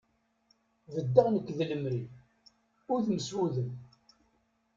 Beddeɣ nekk d lemri udem s udem.